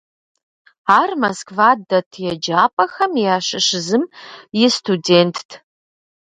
Ар Москва дэт еджапӀэхэм ящыщ зым и студентт.